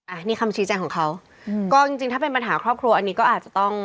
อันนี้คำชี้แจงของเขาก็จริงจริงถ้าเป็นปัญหาครอบครัวอันนี้ก็อาจจะต้อง